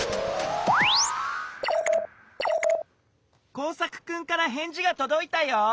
コウサクくんからへんじがとどいたよ。